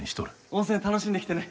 温泉楽しんできてね。